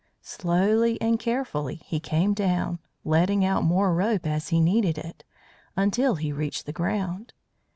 Slowly and carefully he came down, letting out more rope as he needed it, until he reached the ground.